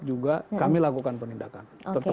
juga kami lakukan penindakan